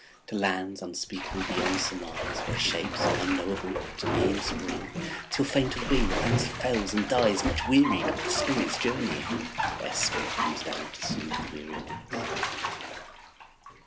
To lands unspeakable beyond surmise, Where shapes unknowable to being spring, Till, faint of wing, the Fancy fails and dies Much wearied with the spirit's journeying, Ere sleep comes down to soothe the weary eyes.